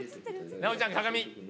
奈緒ちゃん、鏡。